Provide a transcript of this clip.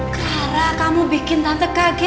clara kamu bikin tante kaget